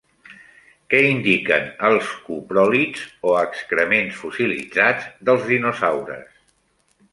Què indiquen els copròlits o excrements fossilitzats dels dinosaures?